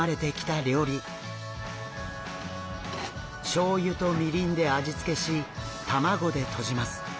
しょうゆとみりんで味付けし卵でとじます。